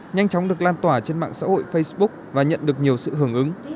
nhanh chóng được lan tỏa trên mạng xã hội facebook và nhận được nhiều sự hưởng ứng